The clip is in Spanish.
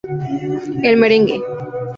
El merengue.